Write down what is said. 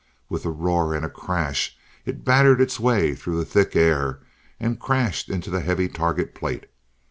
With a roar and crash, it battered its way through the thick air, and crashed into the heavy target plate.